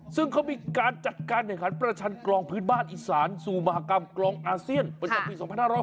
ซึ่งเขามีการจัดการประแชนกรองปืนบานอิสันสู่มหกรรมกรองอาเซียนประชาวปี๒๕๖๖